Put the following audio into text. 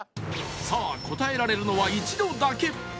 さあ答えられるのは一度だけ